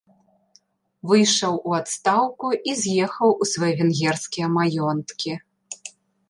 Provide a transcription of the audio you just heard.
Выйшаў у адстаўку і з'ехаў у свае венгерскія маёнткі.